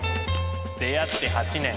出会って８年。